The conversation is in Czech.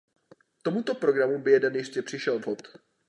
Tomuto programu by jeden jistě přišel vhod.